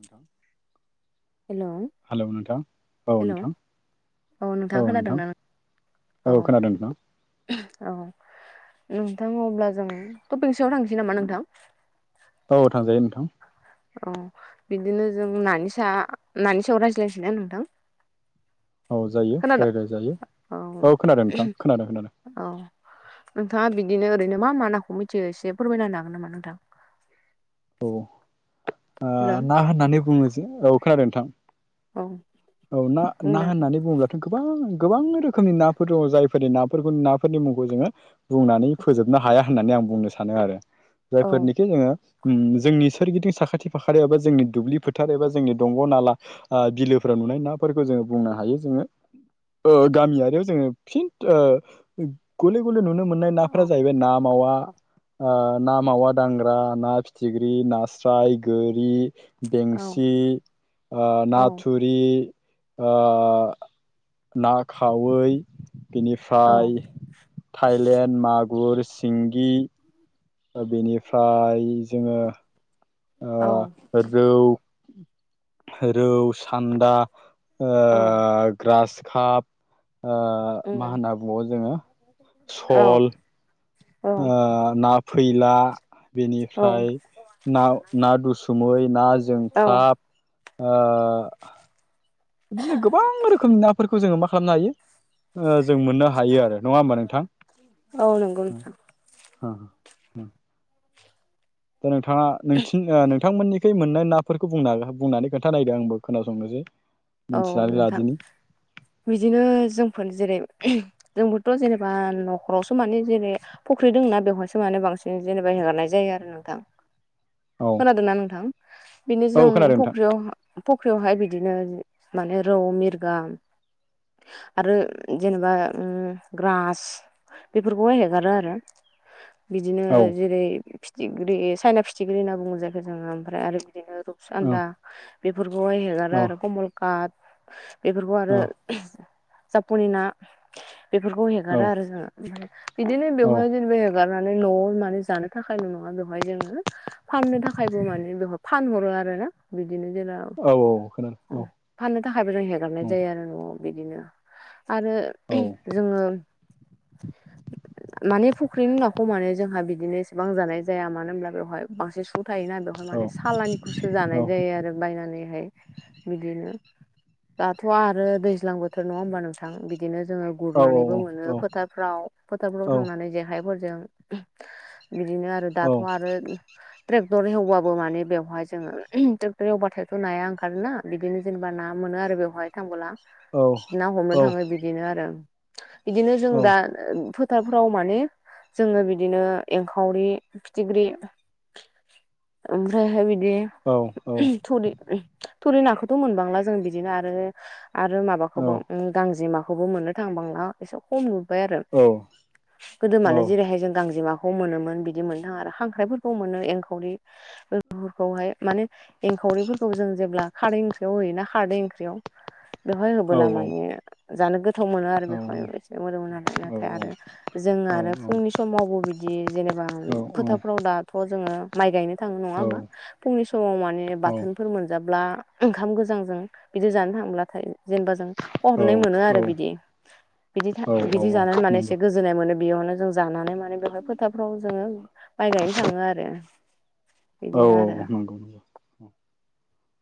नोंथां‌। Hello hello नोंथां। औ हेलौ नोंथां। नोंथाङा औ नोंथां। खोनादोंना औ खोनादों नोंथां औ। नोंथां अब्ला जों टपिक्सआव थांनोसै नामा नोंथां? औ थांजायो नोंथां। औ बिदिनो जों नानि सा नानि सायाव रायज्लायसै ना नोंथां? औ जायो। खोनादों रायलायजायो। औ खोनादों नोंथां खोनादों खोनादों। औ नोंथाङा बिदिनो ओरैनो मा मा नाखौ मिथियो एसे फोरमायना होनो हागोन नामा नोंथां? औ आ हेलौ ना होननानै बुङोजे। औ खोनादों नोंथां। औ औ ना ना बुंलाय होननानै बुङोब्लाथ' गोबां गोबां रोखोमनि नाफोर दङ जायफोरनि नाफोरखौ नाफोरनि मुंखौ जोङो बुंनानै फोजोबनो हाया होननानै आं बुंनो सानो आरो। औ जायफोर निखि जोङो ओम जोंनि सोरगिदिं साखाथि फाखा एबा जोंनि दुब्लि फोथार एबा जोंनि दंग' नाला आ बिलोफोराव नुनाय नाफोरखौ जोङो बुंनो हायो जोङो ओ गामियारियाव जोङो फिन गले गले नुनो मोननाय नाफोरा औ जाहैबाय ना मावा ना मावा दांग्रा ना फि थिख्रि, नास्राय, गोरि, औ बेंसि, आ औ नाथुरि, आ ना खावै, औ बेनिफ्राय थाइलेण्ड, मागुर, सिंगि, बेनिफ्राय जोङो औ ओ रौ, रौ, सान्दा, ओ औ ग्रास खाब आ मा उम होनना बुङो जोङो औ सल, औ आ ना फैला, औ बेनिफ्राय ना ना दुसुमै, ना औ जोंख्लाब, ओ बिदिनो गोबां रोखोमनि नाफोरखौ जोङो मा खालामनो हायो। जों मोननो हायो आरो नङा होमबा नोंथां? औ नंगौ नोंथां ह दा नोंथाङा नों नोंथांमोननि मोननाय नाफोरखौ बुंनानै खोन्था नायदों आंबो खोनासंनोसै। औ मोनथिनानै नोथां। लादिनि बिदिनो जोंफोर जेरै जोंबो ' जेनेबा न'खरावसो माने जेरै फुख्रि दंना बेवहायसो माने बांसिन जेनेबा हेगारनाय जायो। नोंथां। औ खोनादोंना नोंथां बिनो औ जों खोनादों नोंथां फख्रियाव फख्रियावहाय बिदिनो माने रौ, मिरगा आरो जेनेबा ग्रास बेफोरखौह हेगारो आरो। बिदिनो औ जेरै फिथिख्रि चाइना फिथिख्रि होनना बुंङो जायाखो जोङो। ओमफ्राय आरो बिदिनो औ रुपसान्दा बेफोरखौहाय हेगारो औ आरो कमल कात। बेफोरखौ औ आरो जाफानि ना बेफोरखौ औ हेगारो आरो जोङो बिदिनो बेवहाय जेनेबा हगारनानै न'आव जानो थाखायल' नङा बेवहाय जोङो फाननो थाखायबो माने फानहरो। बारा बिदि [inaudible] औ औ खोनादों औ फाननो थाखायबो जों हगारनाय जायो आरो न'आव बिदिनो। आरो औ जोङो माने फुख्रिनि नाखौ माने जोंहा बिदिनो इसेबां जानाय जाया मानो होनब्ला बेवहाय बांसिन सु थायोना बेवहाय औ माने सालानिखौसो जानाय औ जायो। आरो बायनानैहाय बिदिनो। दाथ' आरो दैज्लां बोथोर नङा होमबा नोंथां बिदि बिदिनो जोङो औ गुरनानैबो मोनो फोथारफ्राव फोथारफ्राव औ थांनानै जेखाय फोरजों जों बिदिनो आरो दाथ' आरो ट्रेक्टर एवबाबो मान बेवहाय जोङो ट्रेक्टर एवबा नाया ओंखारोना बिदिनो जेनेबा ना मोनो आरो बेवहाय थांबोला ना हमनो औ थाङो बिदिनो। बिदिनो जों औ दा फोटारफोराव माने जोङो बिदिनो एंखावरि फिथिख्रि ओमफ्रायह बिदि औ बिदि थुरि थुरि नाखौथ' मोनबांला जों बिदिनो आरो आरो माबाखौबो गांजेमाखौबो मोननो थांबांला एसे खम आरो गोदो मानो जेरैहाय जों गांजेमाखौ मोनोमोन बि मोन आरो खांख्रायफोरखौ मोनो एंखावरिफोरखौहाय मान एंखावरिफोरखौ जों जेब्ला खारै होनाना खारै ओंख्रियाव बेवहाय होबोला माने जानो गोथाव गोथाव मोनो आरो बेखौहाय बिदि मोदोमो नालाय नाथाय आरो जों आरो फुंनि समावबो बिदि जेनेबा एबा फोथारफोराव दाथ' जोंङो माइ गायनो थांङो नंङा होमबा फुंनि समाव माने बाथोनफोर मोनजाब्ला ओंखाम गोजांजों बिदि जानो थांब्लाथाय जेनेबा जों खहाबनाय मोनो आरो औ बिदि बिदि था औ बिदि औ जानानै माने नंगौ एसे गोजोननाय मोनो। बेयावनो जों जानानै माने बेवहाय फोथारफ्राव जोङो माइ गायनो थांङो आरो औ बिदिनो औ आरो नंगौ।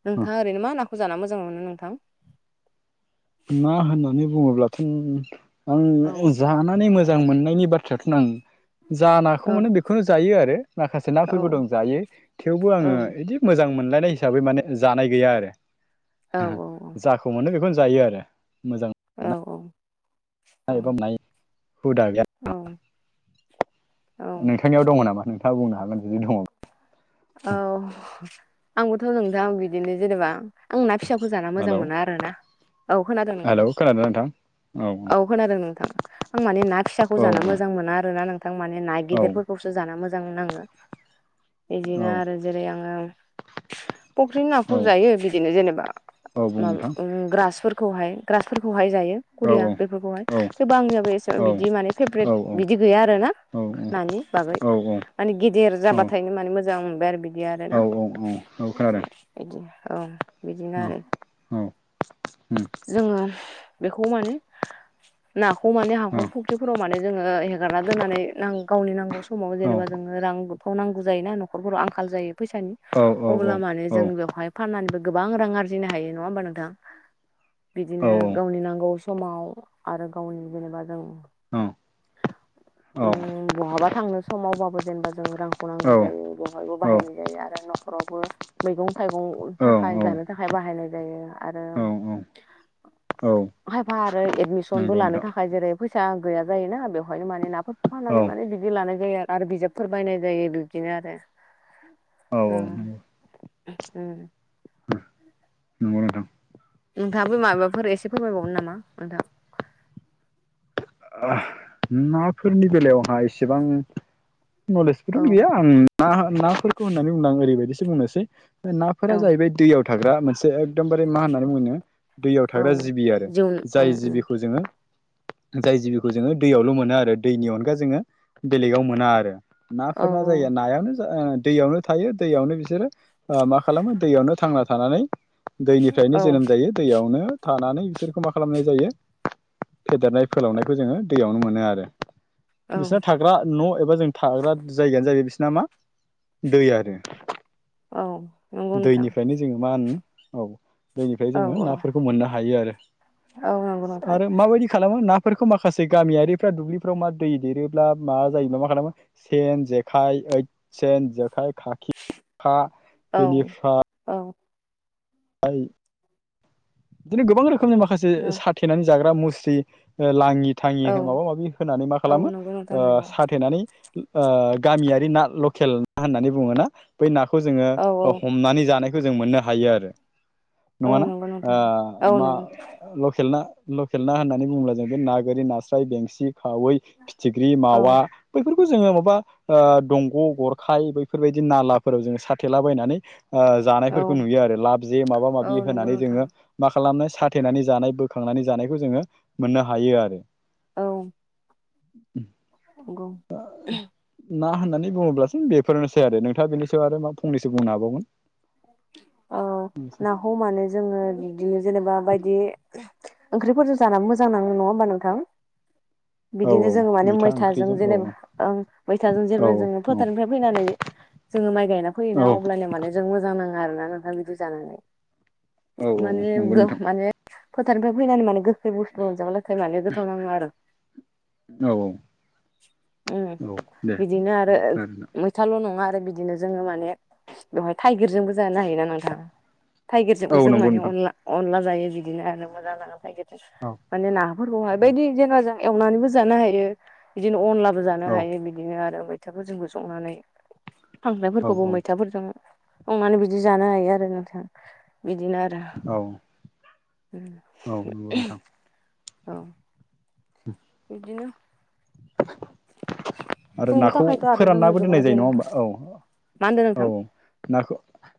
नोंथाङा ओरैनो मा नाखौ जानो मोजां मोनो नोंथां? ना होननानै बुंङोब्लाथ' आं औ जानानै मोजां मोजां मोननायनि बाथ्राथ' आं जा औ नाखौ मोनो बेखौनो जायो आरो माखासे औ नाफोरबो दं जायो थेवबो औ आङो बिदि मोजां मोन [unintelligible] मोजां मोननाय हिसाबै माने जानाय गैया औ आरो जायखौ मोननो बेखौ जायो आरो मोजां औ औ। नायनो बानाय हुदा गैया औ आरो ना।। औ नोंथांनियाव दङ नामा नोंथाङा बुंनो हागोन जुदि दंङब्ला? औ आंबोथ' नोंथां बिदिनो जेनेबा आं ना फिसाखौ जानो मोजां हेलौ मोना आरो ना औ खोनादों नोंथां। हेलौ खोनादों नोंथां औ खोनादों नोंथां आं माने ना फिसाखौ औ जानो मोजां मोना आरोना नोंथ थारमाने ना औ गिदिरफोरखौसो जानो मोजां नांङो। बिदिनो आरो जेरै आंङो फुख्रिनि नाखौ औ जायो बिदिनो जेनेबा औ बुं मा नोंथां ग्रास फोर खौहाय ग्रासफोरखौहाय जायो औ खुरिया औ बेफोरखौहाय औ थेवबो आंनियाव बो ऐसेबां औ बिदि माने फेभरेट औ औ बिदि गैया आरोना। नानि बागै माने गेदिर जाबाथायनो माने मोजां मोनबाय आरो बिदि बिदि आरोना औ औ औ खोनादों औ बिदि। औ बिदिनो आरो। औ औ जोंङो बेखौ माने नाखौ माने हाखर फुख्रिफोराव माने जोंङो हेगारना दोननानै नां गावनि नांगौ समाव जेनेबा जोंङो रां नफ्राव नांगौ जायोना नख नखरफोराव आंखाल जायो फैसानि अब्ला माने जों बेवहाय फाननानैबो गोबां रां आरजिनो हायो नङा होमबा नोंथां? बिदिनो गावनि नांगौ स समाव आरो गावनि जेनेबा जों उम बहाबा थांनो समावबाबो जेनेबा जों जों रांखौ नांगौ जायो बेहायबो बाहायनाय जायो आरो न'खावबो मैगं थाइगं थाखाय जानो थाखाय बाहायनाय जायो आरो खायफा आरो एदमिसनबो नंगौ लानो नोंथां थाखाय जेरै फैसा गैया जायोना बेवहायनो माने नाफोरखौ औ फाननानै माने बिदि लानाय जायो आरो आरो बिजाबफोर बायनाय जायो बिदिनो आरो। औ उम। नंगौ नोंथां नोंथांङाबो माबाफोर एसे फोरमायबावगोन नामा नोंथां? नाफोरनि बेलायावहा एसेबां औ नलेजबोथ' गैया आं ना नाफोरखौ होननानै बुंदों आं ओरैबायदिसो बुंनोसै नाफोरा औ जाहैबाय दैयाव थाग्रा मोनसे एकदमबारे मा होननानै बुंगोन दैयाव औ थाग्रा जिबि आरो जिउ जाय उम उम जिबिखौ जोंङो जाय जिबिखौ जोंङो दैयावल' मोन दा आरो दैनि अनगा आरो जों बेलेगाव मोना आरो ना औ फोरना जायो नायानो ओ दैयावनो थायो दैयावनो बिसोरो मा खालामो दैयावनो थांना थानानै दैनिफ्रायनो औ जोनोम जायो दैयावनो थानानै बिसोरखौ मा खालामनाय जायो? फेदेरनाय फोलावनायखौ जोंङो दैयावनो मोनो आरो। औ बिसोरना थाग्रा न' एबा जों थाग्रा जायगायानो जायो बिसोरना मा? दै आरो औ नंगौ नोंथां दैनिफ्रायनो जोंङो मा होनो औ। दैनिफ्राय औ जोङो औ नाफोरखौ मोननो हायो आरो औ नंगौ नोंथां आरो माबायदि खालामो ना फोर माखासे गामियारिफ्रा दुब्लि दु ब्लिफ्राव मा दै देरोब्ला मा जायोब्ला मा खालामो सेन, जेखाय, ओद सेन, जेखाय खिरखा फा औ बेनिफ्राय औ बिदिनो गोबां रोखोमनि माखासे औ साथेनानै जाग्रा मु स्रि लाङि-थाङि माबा माबि होनानै मा औ खालामो नंगौ नोंथां ओ नंगौ साथेनानै ओ गामियारि ना लकेल ना होननानै बुङोना बै ना खौ जोङो औ औ हमनानै जानायखौ जों मोननो हायो आरो। औ नङाना? नंगौ नोंथां औ मा नंगौ लकेल ना लकेल ना होननानै बुङोब्ला जों बे ना, गोरि, नास्राय, बेंसि, खावै, फिथिख्रि, औ मावा बैफोर खौ जोङो माबा दंग' गरखाय बैफोरबायदि नालाफोराव जोङो साथेलाबायनानै ओ औ जानायफोरखौ नुयो आरो लाब जे माबा - औ माबि नंगौ होनानै नोंथां जोङो माख खालामनाय साथेनानै जानाय बोखांनानै जानायखौ जोङो मोननो हायो आरो। औ। नंगौ ना होननानै बुङोब्लासो बेफोरनोसै आरो नोंथाङा बेनिसो आरो मा फंनैसो बुंनो हाबावगोन। औ नाखौ मानो जोङो बिदि जेनेबा बायदि ओंख्रिफोरजों जाना मोजां नाङो। नङा होमबा नोंथां? औ बिदिनो औ जोङो माने मैथा मैथाजों ओंख्रिजों औ जेनेबा ओं मैथाजों औ जेब्ला जोङो औ फोथारनिफ्राय फैनानै जोङो माइ गायना फैयोना औ अब्लाना माने जों मोजां नाङो आरोना नोंथां बिदि जानानै। औ औ माने नंगौ गो नोंथां माने फोथारनिफ्राय फैनानै माने गो गोखै बुस्तु मोनाजाब्ला माने गोथाव नाङो आरो औ औ उ औ दे बिदिनो आरो औ खोनादों मैथाल' नङा ओफ्राय बिदिनो जोङो माने बेवहाय थाइगिरजोंबो जानो हायोना नोंथां। थाइगिरजोंबो औ जों नंगौ माने नोंथां अनला - अनला जायो। बिदिनो आरो मोजां नाङो थाइगिर औ माने नाफोरखौहाय औ बायदि जेनेबा जों एवनानैबो जानो हायो। बिदिनो अनला बो जानो औ हायो बिदिनो आरो मैथाफोरजोंबो संनानै औ खांख्रायफोरखौबो मैथाफोरजों संनानै बिदि जानो हायो आरो नोंथां बिदिनो आरो औ औ नंगौ नोंथां औ। बिदिनो [unintelligible] आरो संनो नाखौ थाखायथ' आरो जोंनो फोराननाबो दोननाय गोबां जायो जेन नङा होमबा मा होनदों औ-औ नोंथां नाखौ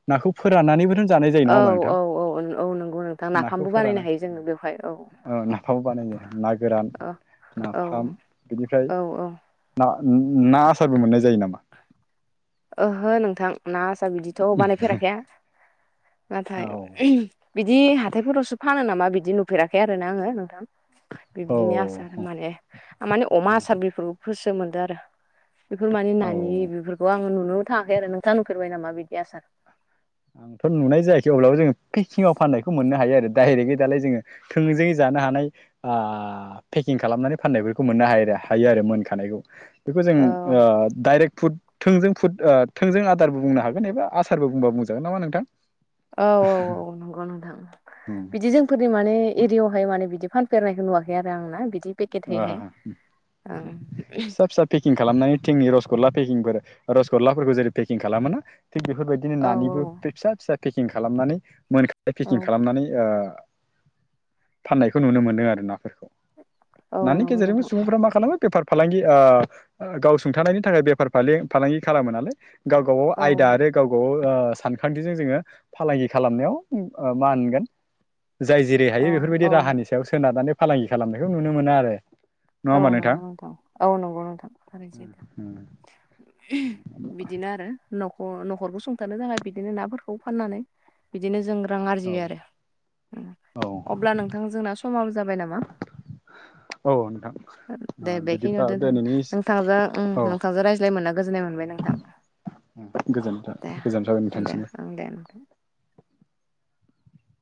नाखौ फोराननानैबो जानाय जायो नङा औ होनबा नोंथां औ औ औ नंगौ नोंथां नाखौ नाफामबो बानायनो फोरानना हायो जोङो बेवहाय औ ओ नाफाम बानायो ना गोरान, औ नाफाम औ बिनिफ्राय औ औ ना आसारबो मोननाय जायो नामा? ओहो नोंथां ना आसा बिदिथ' बानायफेराखै आं। नाथाय औ बिदि हाथायफोरावसो फानो नामा बिदि नुफेराखै आरोना आंङो नोंथां। बिब्दिनो आसार औ माने माने अमा आसार बेफोरखौ गोसो मोनदो आरो। बेफोर माने औ नानि बेफोरखौ आङो नुनोबो थाङाखै आरो। नोंथाङा नुफेरबाय नामा बिदि आसार? आंथ' नुनाय जायाखै अब्लाबो जोङो पेकिंआव फाननायखौ मोननो हायो आरो ‍डाइरेकयै दालाय जोङो थोंजोङै जा नो हानाय फेकिं खालामनानै फाननायफोरखौ मोननो हायो आरो मोनखानायखौ। बेखौ जों औ डाइरेक्ट फुड थोंजों फुद थोंजों आदारबो बुंनो हागोन एबा आसारबो बुंबा बुंजागोन नामा नोंथां। औ - औ - औ नंगौ नोंथां। बिदि जोंफोरनि माने एरियायावहाय माने बिदि फानेरनायखौ नुवाखै आरो आंना बिदि अ पेकेटहैहाय औ फिसा-फिसा पेकिं खालामनानै थिंनि रस गल्ला पेकिंबो रस गलाफोरखौ जेरै पेकिं खालामोना। थिक बेफोरबायदिनो औ नानिबो फिसा - फिसा पेकिं खालामनानै मोनखानाय औ पेकिं खालामनानै ओ फाननायखौ नुनो मोनदों आरो नाफोरखौ। औ नानि नंगौ गेजेरजोंबो नोंथां सुबुंफ्रा मा खालामो? बेफार फालांगि गाव सुंथानायनि थाखाय बेफार फालांगि खालामो नालाय गाव गाव औ आयदा आरो गाव गाव ओ! सानखान्थिजों जोङो फालांगि खालामनायाव मा होनगोन जाय जेरै अ हायो बेफोरबायदि औ राहानि सायाव सोनारनानै फालांगि खालामनायखौ नुनो मोनो आरो। नङा औ होमबा नंगौ नोंथां औ नंगौ नोंथा थारैनो सैथो। बिदिनो आरो। न'खरखौ सुंथानो थाखाय बिदिनो नाफोरखौ फाननानै बिदिनो जों रां औ आरजियो आरो। औ अब्ला नोंथां जोंना समाबो जाबाय नामा? औ नोंथां दे बिदिब्ला बेखिनियावनो दिनैनि दोनथ'दो नोंथांजों औ नोंथांजों रायज्लाय मोनना गोजोननाय मोनबाय नोंथां। गोजोनथों दे दे गोजोननाय थाबाय ओं दे नोंथां नोंथांनिसिमबो।